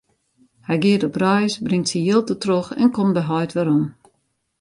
Hy giet op reis, bringt syn jild dertroch en komt by heit werom.